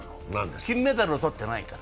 金メダルを取ってないから。